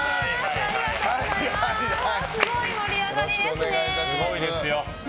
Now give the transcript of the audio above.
すごい盛り上がりですね！